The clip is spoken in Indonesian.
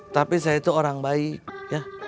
tapi saya itu orang baik ya